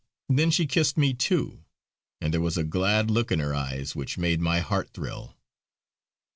Then she kissed me too, and there was a glad look in her eyes which made my heart thrill.